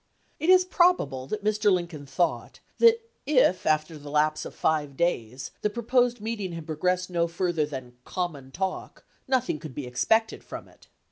It is probable that Mr. Lincoln thought that if after the lapse of five days the proposed meeting had progressed no farther than "common talk," nothing could be expected from it.